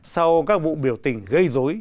sau các vụ biểu tình gây dối